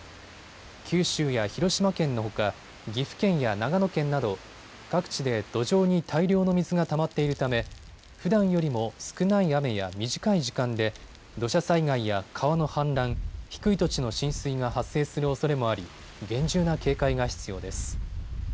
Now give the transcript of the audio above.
九州や広島県のほか岐阜県や長野県など各地で土壌に大量の水がたまっているためふだんよりも少ない雨や短い時間で土砂災害や川の氾濫、低い土地の浸水が発生するおそれもあり厳重な警戒が必要です。